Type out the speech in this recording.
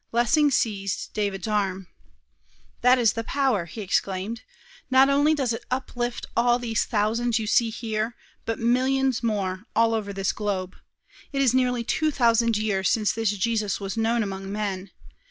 Lessing seized David's arm. "That is the power!" he exclaimed. "Not only does it uplift all these thousands you see here, but millions more, all over this globe. It is nearly two thousand years since this Jesus was known among men.